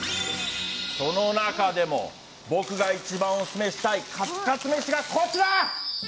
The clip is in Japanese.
その中でも僕が一番オススメしたいカツカツ飯がこちら。